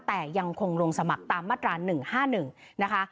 แต่ยังคงลงสมัครตามมาตรา๑๕๑นะคะ